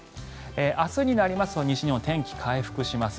明日になりますと西日本は天気が回復します。